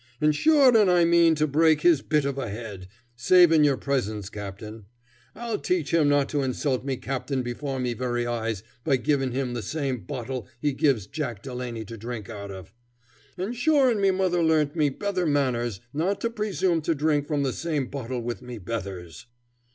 An' sure an' I mean to break his bit of a head, savin' your presence, captain. I'll teach him not to insult me captain before me very eyes, by givin' him the same bottle he gives Jack Delaney to drink out of. An' sure an' me moother learnt me betther manners nor to presume to drink from the same bottle with me betthers."